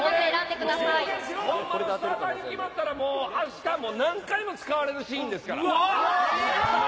スターターに決まったら、あした何回も使われるシーンですから。